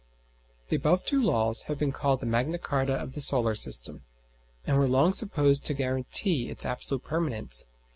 The above two laws have been called the Magna Charta of the solar system, and were long supposed to guarantee its absolute permanence.